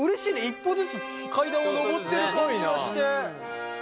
一歩ずつ階段を上ってる感じがして。